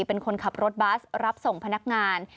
เป็นคนขับรถบัสรับส่งพนักงาน